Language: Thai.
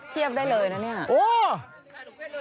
เทียบได้เลยนะนี่